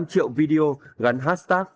một năm triệu video gắn hashtag